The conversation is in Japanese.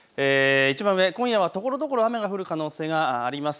今夜はところどころ雨の降る可能性があります。